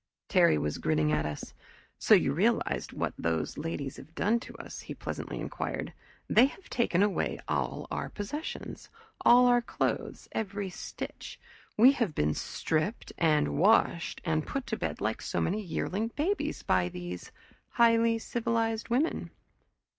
Terry was grinning at us. "So you realize what these ladies have done to us?" he pleasantly inquired. "They have taken away all our possessions, all our clothes every stitch. We have been stripped and washed and put to bed like so many yearling babies by these highly civilized women."